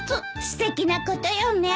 すてきなことよね。